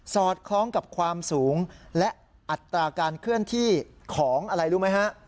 อดคล้องกับความสูงและอัตราการเคลื่อนที่ของอะไรรู้ไหมฮะ